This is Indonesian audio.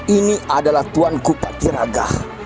ini adalah tuan kupatir agah